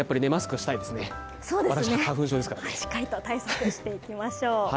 しっかりと対策していきましょう。